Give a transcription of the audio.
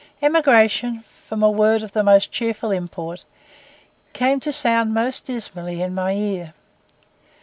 Emigration, from a word of the most cheerful import, came to sound most dismally in my ear.